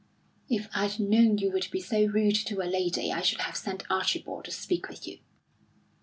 "If I'd known you would be so rude to a lady, I should have sent Archibald to speak with you."